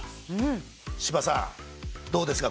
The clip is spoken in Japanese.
柴さんどうですか？